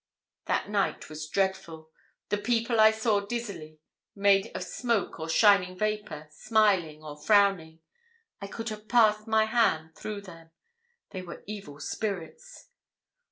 That night was dreadful. The people I saw dizzily, made of smoke or shining vapour, smiling or frowning, I could have passed my hand through them. They were evil spirits.